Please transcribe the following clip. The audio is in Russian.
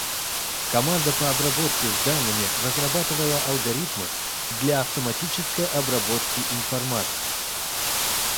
Команда по работе с данными разрабатывала алгоритмы для автоматической обработки информации.